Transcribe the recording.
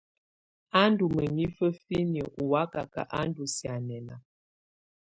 Ú ndú mǝnifǝ finiǝ́ ɔ́ wakaka ú ndú sianɛna.